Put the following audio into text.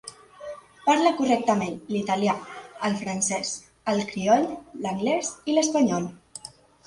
Parla correctament l'italià, el francès, el crioll, l'anglès i l'espanyol.